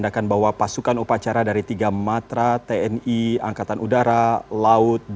pak rabu subianto